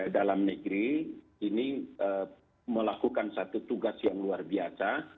dalam negeri ini melakukan satu tugas yang luar biasa